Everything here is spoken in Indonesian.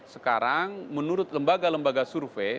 sekarang menurut lembaga lembaga survei